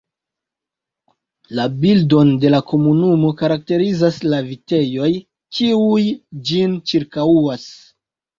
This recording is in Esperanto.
La bildon de la komunumo karakterizas la vitejoj, kiuj ĝin ĉirkaŭas.